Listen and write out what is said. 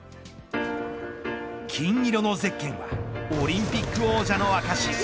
金色のゼッケンはオリンピック王者の証。